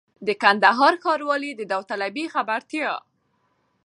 د کندهار ښاروالۍ د داوطلبۍ خبرتیا!